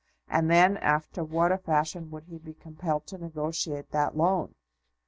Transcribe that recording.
And then, after what a fashion would he be compelled to negotiate that loan!